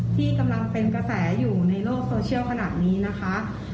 ที่กำลังเป็นกระแสอยู่ในโลกโซเชียลขนาดนี้นะคะ